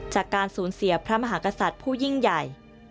จากการสูญเสียพระมหากษัตริย์ผู้ยิ่งใหญ่